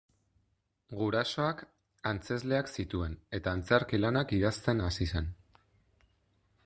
Gurasoak antzezleak zituen, eta antzerki-lanak idazten hasi zen.